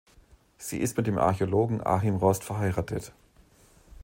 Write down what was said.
Sie ist mit dem Archäologen Achim Rost verheiratet.